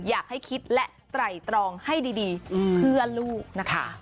อยากให้คิดและไตรตรองให้ดีเพื่อลูกนะคะ